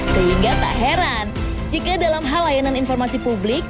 sehingga tak heran jika dalam hal layanan informasi publik